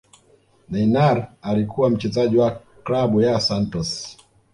neynar alikuwa mchezaji wa klabu ya santos